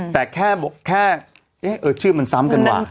แต่ชื่อมันซ้ำกันขนหัว